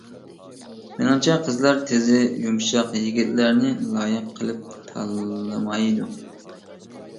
مېنىڭچە قىزلار تىزى يۇمشاق يىگىتلەرنى لايىق قىلىپ تاللىمايدۇ.